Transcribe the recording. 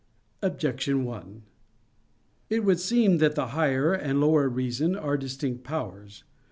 Objection 1: It would seem that the higher and lower reason are distinct powers.